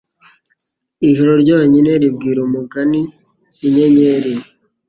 Ijoro ryonyine ribwira umugani inyenyeri